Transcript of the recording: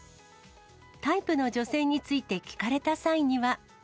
タイプの女性について聞かれた際には。